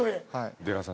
出川さん